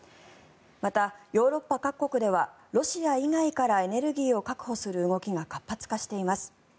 また、ヨーロッパ各国ではロシア以外からエネルギーを確保する動きが活発化しています。